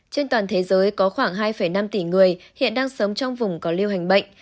trên toàn thế giới có khoảng hai năm tỷ người hiện đang sống trong vùng có lưu hành bệnh